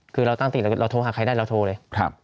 คือเราตั้งติเราโทรหาใครได้เราโทรเลย